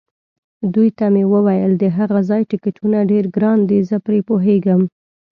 دوی ته مې وویل: د هغه ځای ټکټونه ډېر ګران دي، زه پرې پوهېږم.